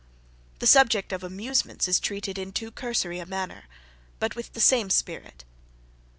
The subject of amusements is treated in too cursory a manner; but with the same spirit.